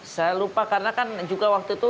saya lupa karena kan juga waktu itu